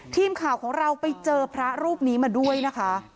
ทีมข่าวของเราไปเจอพระรูปนี้มาด้วยนะคะ